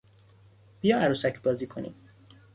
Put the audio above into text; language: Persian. بیا عروسک بازی کنیم!